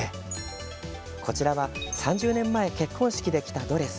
こちらは、３０年前結婚式で着たドレス。